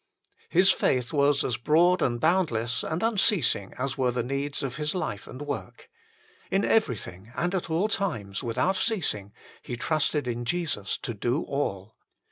l His faith was as broad and boundless and unceas ing as were the needs of his life and work. In everything and at all times, without ceasing, he trusted in Jesus to do all.